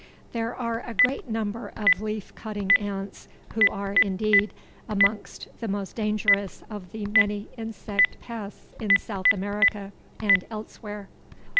There are a great number of leaf cutting ants who are, indeed, amongst the most dangerous of the many insect pests in South America and elsewhere.